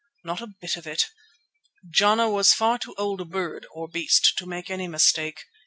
Not a bit of it! Jana was far too old a bird—or beast—to make any mistake.